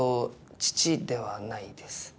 父ではないです。